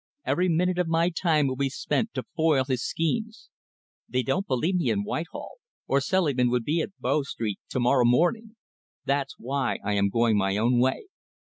Every minute of my time will be spent to foil his schemes. They don't believe me in Whitehall, or Selingman would be at Bow Street to morrow morning. That's why I am going my own way.